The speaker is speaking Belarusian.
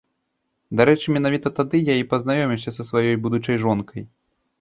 Дарэчы, менавіта тады я і пазнаёміўся са сваёй будучай жонкай.